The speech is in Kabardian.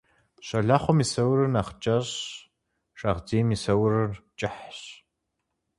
Щолэхъум и саурыр нэхъ кӀэщӀщ, шагъдийм и саурыр кӀыхьщ.